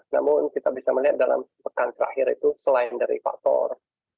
namun kita bisa melihat dalam sepekan terakhir itu selain dari faktor